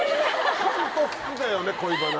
ホント好きだよね恋バナ。